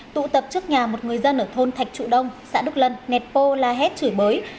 tụ tập trước nhà một người dân ở thôn thạch trụ đông xã đức lân nẹt pô la hét chửi bới